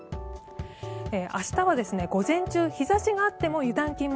明日は午前中日差しがあっても油断禁物